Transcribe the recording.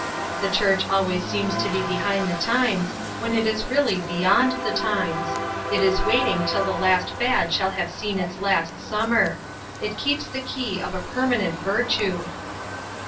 The Church always seems to be behind the times, when it is really beyond the times; it is waiting till the last fad shall have seen its last summer. It keeps the key of a permanent virtue."